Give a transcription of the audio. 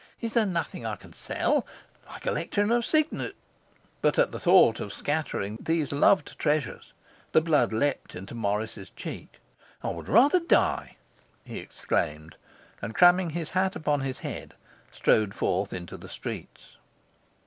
Is there nothing I can sell? My collection of signet ' But at the thought of scattering these loved treasures the blood leaped into Morris's check. 'I would rather die!' he exclaimed, and, cramming his hat upon his head, strode forth into the streets.